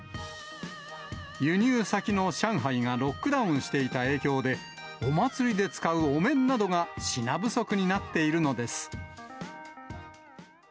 輸入先の上海がロックダウンしていた影響で、お祭りで使うお面などが品不足になっているのです。